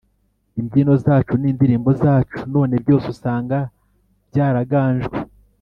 imbyino zacu, n’indirimbo zacu none byose usanga byaraganjwe